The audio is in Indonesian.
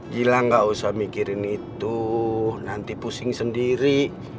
gila gak usah mikirin itu nanti pusing sendiri